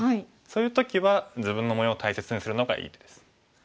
そういう時は自分の模様を大切にするのがいい手です。